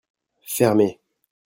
Fermez !